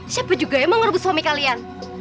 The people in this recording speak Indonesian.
siapa juga yang mau ngerubut suami kalian